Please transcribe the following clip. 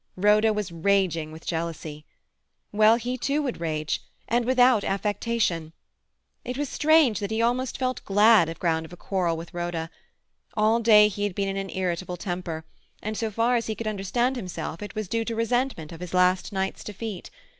Rhoda was raging with jealousy. Well, he too would rage. And without affectation. It was strange that he felt almost glad of a ground of quarrel with Rhoda. All day he had been in an irritable temper, and so far as he could understand himself it was due to resentment of his last night's defeat.